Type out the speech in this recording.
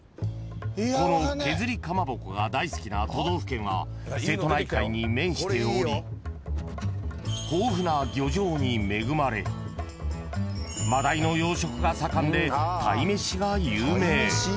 ［この削りかまぼこが大好きな都道府県は瀬戸内海に面しており豊富な漁場に恵まれマダイの養殖が盛んで鯛めしが有名］